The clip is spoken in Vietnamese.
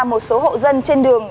một số hộ dân trên đường